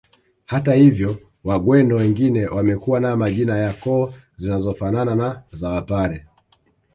Hata hivyo wagweno wengine wamekuwa na majina ya koo zinazofanana na za wapare